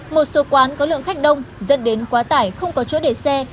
một số quán có lượng khách đông dẫn đến quá tải không có chỗ để xe